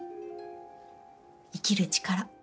生きる力。